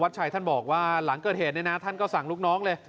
ชัยท่านบอกว่าหลังเกิดเหตุเนี่ยนะท่านก็สั่งลูกน้องเลย